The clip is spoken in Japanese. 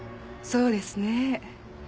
そうですね